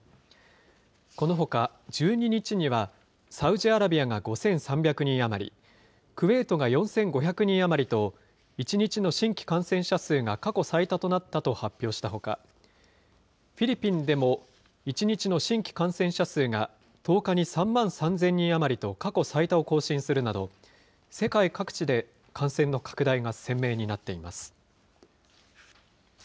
このほか１２日には、サウジアラビアが５３００人余り、クウェートが４５００人余りと、１日の新規感染者数が過去最多となったと発表したほか、フィリピンでも１日の新規感染者数が１０日に３万３０００人余りと過去最多を更新するなど、世界各地で感染の拡大が鮮明になっています。